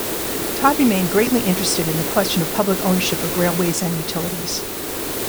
Todd remained greatly interested in the question of public ownership of railways and utilities.